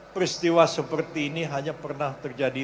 peristiwa seperti ini hanya pernah terjadi